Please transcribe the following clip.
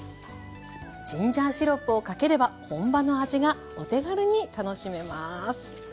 ジンジャーシロップをかければ本場の味がお手軽に楽しめます。